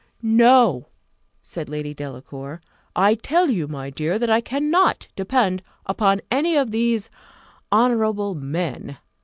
"No," said Lady Delacour: "I tell you, my dear, that I cannot depend upon any of these 'honourable men.